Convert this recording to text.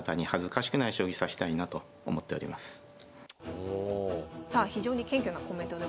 正直さあ非常に謙虚なコメントでございます。